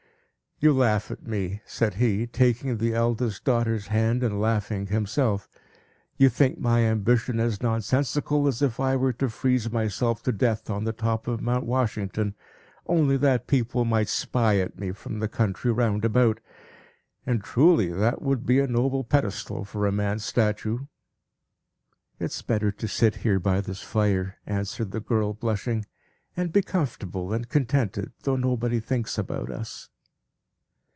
"You laugh at me," said he, taking the eldest daughter's hand, and laughing himself. "You think my ambition as nonsensical as if I were to freeze myself to death on the top of Mount Washington, only that people might spy at me from the country round about. And truly, that would be a noble pedestal for a man's statue!" "It is better to sit here by this fire," answered the girl, blushing, "and be comfortable and contented, though nobody thinks about us."